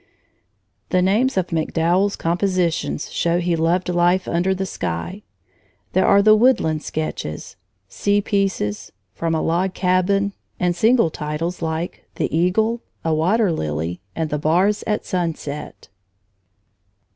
The names of MacDowell's compositions show he loved life under the sky. There are "The Woodland Sketches", "Sea Pieces", "From a Log Cabin", and single titles like "The Eagle", "A Water Lily", and "The Bars at Sunset."